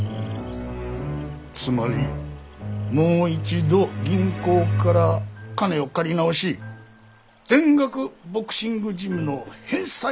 つまりもう一度銀行から金を借り直し全額ボクシングジムの返済に充てる。